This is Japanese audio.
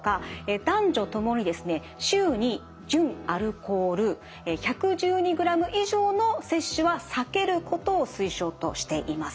男女ともにですね週に純アルコール１１２グラム以上の摂取は避けることを推奨としています。